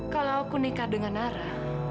kalau aku nikah dengan nara